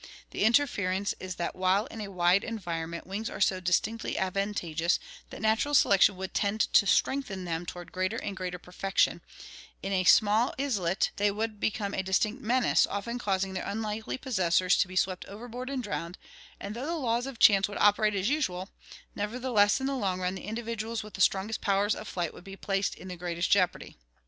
The inference is that while in a wide environment wings are so distinctly advantageous that natural selection would tend to strengthen them toward greater and greater perfection, in a small islet they would become a distinct menace, often causing their unlucky possessors to be swept overboard and drowned, and though the laws of chance would operate as usual, nevertheless in the long run the individuals with the strongest powers of flight would be placed in the greatest jeop ardy.